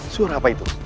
suara apa itu